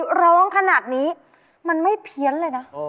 ร้องขนาดนี้มันไม่เพี้ยนเลยนะ